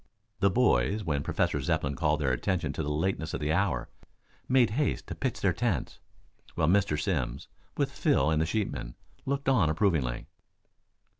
The boys, when Professor Zepplin called their attention to the lateness of the hour, made haste to pitch their tents, while Mr. Simms, with Phil and the sheepmen, looked on approvingly.